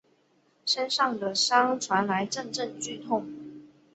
身上的伤传来阵阵剧痛